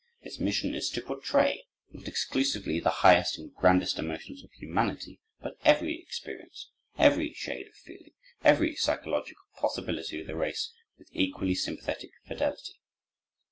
Its mission is to portray, not exclusively the highest and grandest emotions of humanity, but every experience, every shade of feeling, every psychological possibility of the race, with equally sympathetic fidelity.